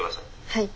はい。